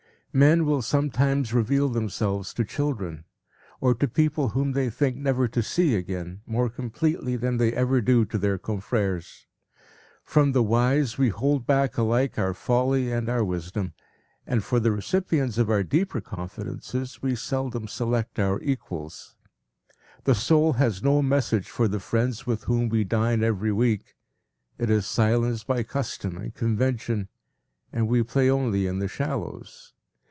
p> Men will sometimes reveal themselves to children, or to people whom they think never to see again, more completely than they ever do to their confreres. From the wise we hold back alike our folly and our wisdom, and for the recipients of our deeper confidences we seldom select our equals. The soul has no message for the friends with whom we dine every week. It is silenced by custom and convention, and we play only in the shallows.